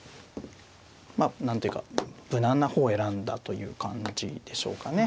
まあ何というか無難な方を選んだという感じでしょうかね。